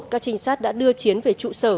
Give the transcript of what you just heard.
các trinh sát đã đưa chiến về trụ sở